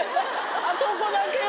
あそこだけよ